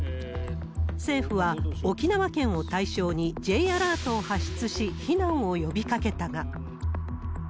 政府は、沖縄県を対象にＪアラートを発出し、避難を呼びかけたが。